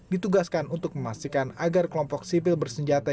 ditugaskan untuk memastikan agar kelompok sipil bersenjata